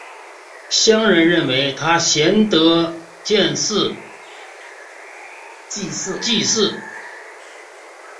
乡人认为他贤德建祠祭祀。